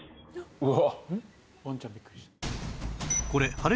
うわ！